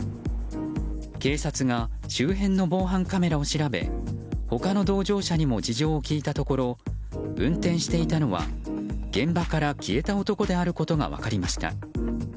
警察が、周辺の防犯カメラを調べ他の同乗者にも事情を聴いたところ運転していたのは現場から消えた男であることが分かりました。